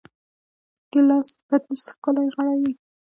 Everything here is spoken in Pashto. ګیلاس د پتنوس ښکلی غړی وي.